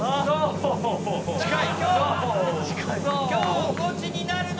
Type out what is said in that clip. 近い。